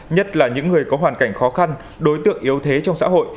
nhất là những người có hoàn cảnh khó khăn đối tượng yếu thế trong xã hội